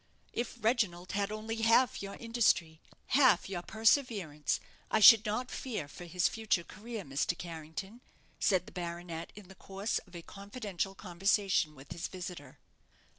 "If Reginald had only half your industry, half your perseverance, I should not fear for his future career, Mr. Carrington," said the baronet, in the course of a confidential conversation with his visitor.